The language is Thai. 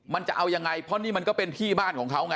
มันจะเอายังไงเพราะนี่มันก็เป็นที่บ้านของเขาไง